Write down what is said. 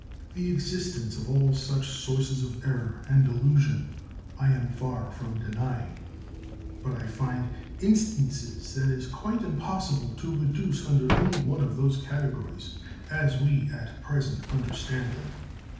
The existence of all such sources of error and delusion I am far from denying, but I find instances that it is quite impossible to reduce under any one of those categories, as we at present understand them.